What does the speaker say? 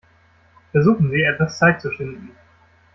Versuchen Sie, etwas Zeit zu schinden.